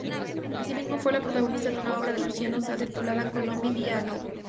Asimismo, fue la protagonista de una obra de Luciano Salce titulada "Colombe di Anouilh".